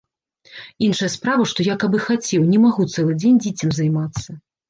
Іншая справа, што я каб і хацеў, не магу цэлы дзень дзіцем займацца.